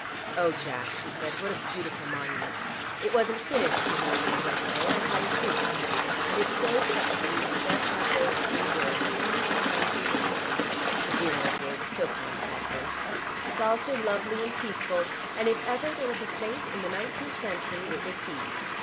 "Oh, Jack," she said, "what a beautiful monument: it wasn't finished, you know, when I went away and I hadn't seen it. And it's so touching to have just those three words, 'Lead, kindly Light': the dear old boy was so fond of that hymn. It's all so lovely and peaceful, and if ever there was a saint in the nineteenth century, it was he.